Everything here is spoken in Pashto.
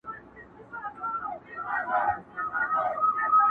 له تودې سینې را وځي نور ساړه وي.